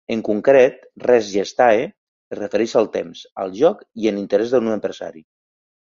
En concret, "res gestae" es refereix al temps, al lloc i en interès d'un empresari.